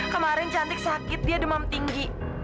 kemarin cantik sakit dia demam tinggi